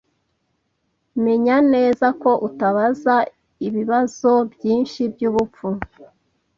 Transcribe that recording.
Menya neza ko utabaza ibibazo byinshi byubupfu.